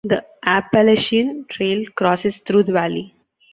The Appalachian Trail crosses through the valley.